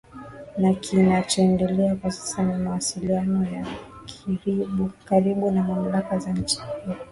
la kinachoendelea kwa sasa ni mawasiliano ya karibu na mamlaka za nchi hiyo